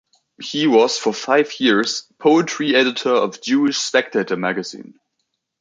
He was, for five years, poetry editor of Jewish Spectator magazine.